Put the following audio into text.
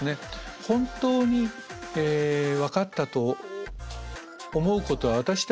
本当に分かったと思うことは私たちにはできないんです。